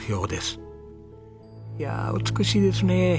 いや美しいですね。